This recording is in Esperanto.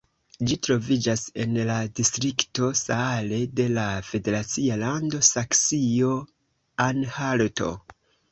Ĝi troviĝas en la distrikto Saale de la federacia lando Saksio-Anhalto.